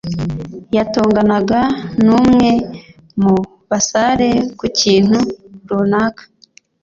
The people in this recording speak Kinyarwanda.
yatonganaga n'umwe mu basare ku kintu runaka.